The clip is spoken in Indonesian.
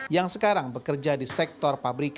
yang sekarang bekerja di sektor pabrik